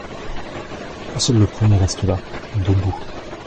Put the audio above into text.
Seul le premier reste là, debout.